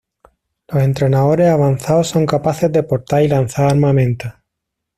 Los entrenadores avanzados son capaces de portar y lanzar armamento.